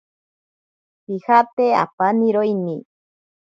Pijate apaniroini.